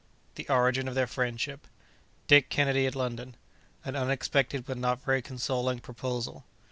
—The Origin of their Friendship.—Dick Kennedy at London.—An unexpected but not very consoling Proposal.